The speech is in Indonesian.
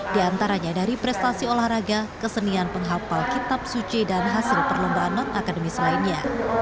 di antaranya dari prestasi olahraga kesenian penghapal kitab suci dan hasil perlombaan non akademis lainnya